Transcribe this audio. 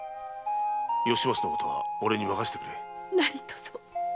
吉松のことは俺に任せてくれ。